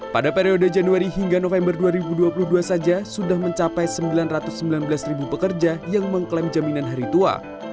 pada periode januari hingga november dua ribu dua puluh dua saja sudah mencapai sembilan ratus sembilan belas ribu pekerja yang mengklaim jaminan hari tua